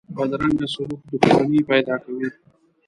بدرنګه سلوک دښمني پیدا کوي